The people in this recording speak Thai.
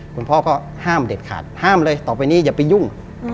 คุณพ่อก็ห้ามเด็ดขาดห้ามเลยต่อไปนี้อย่าไปยุ่ง